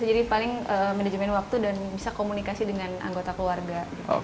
jadi paling manajemen waktu dan bisa komunikasi dengan anggota keluarga